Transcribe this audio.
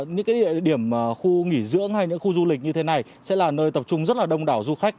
những địa điểm khu nghỉ dưỡng hay những khu du lịch như thế này sẽ là nơi tập trung rất là đông đảo du khách